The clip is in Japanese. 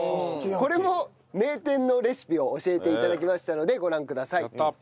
これも名店のレシピを教えて頂きましたのでご覧ください。